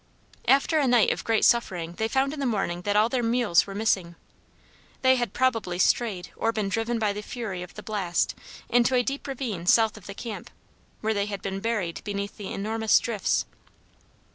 After a night of great suffering they found in the morning that all their mules were missing. They had probably strayed or been driven by the fury of the blast into a deep ravine south of the camp, where they had been buried beneath the enormous drifts.